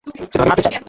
সে তোমাদের মারতে চায়।